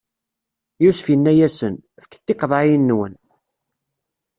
Yusef inna-yasen: Fket tiqeḍɛiyin-nwen!